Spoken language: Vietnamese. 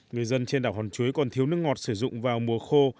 người dân trên đảo hòn chuối còn thiếu nước ngọt sử dụng vào mùa khô